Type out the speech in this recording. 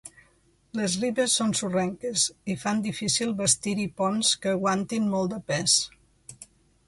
Les ribes són sorrenques i fan difícil bastir-hi ponts que aguantin molt de pes.